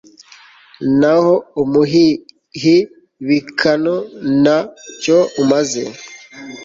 naho umuhihibikano nta cyo umaze